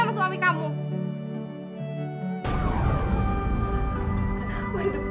kepala medan folo buat vearsi sama